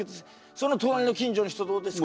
その隣の近所の人どうですか。